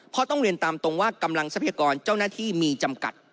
เพราะต้องเรียนตามตรงว่ากำลังทรัพยากรเจ้าหน้าที่มีจำกัด